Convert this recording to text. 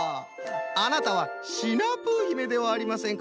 あなたはシナプーひめではありませんか。